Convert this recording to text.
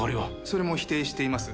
それも否定しています。